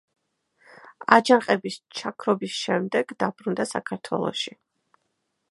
აჯანყების ჩაქრობის შემდეგ დაბრუნდა საქართველოში.